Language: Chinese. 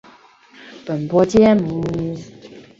电波之日是日本的一个节日。